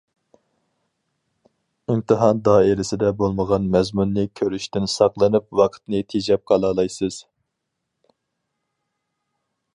ئىمتىھان دائىرىسىدە بولمىغان مەزمۇننى كۆرۈشتىن ساقلىنىپ ۋاقىتنى تېجەپ قالالايسىز.